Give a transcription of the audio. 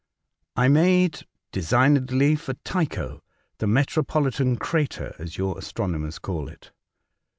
I made designedly for Tycho, — the metro politan crater, as your astronomers call it.